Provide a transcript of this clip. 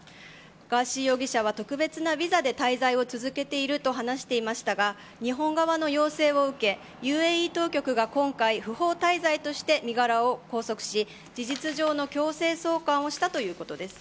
ガーシー容疑者は特別なビザで滞在を続けていると話していましたが日本側の要請を受けＵＡＥ当局が今回不法滞在として身柄を拘束し事実上の強制送還をしたということです。